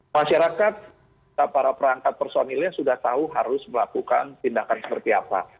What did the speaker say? masyarakat para perangkat personilnya sudah tahu harus melakukan tindakan seperti apa